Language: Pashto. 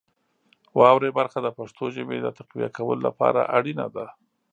واورئ برخه د پښتو ژبې د تقویه کولو لپاره اړینه ده.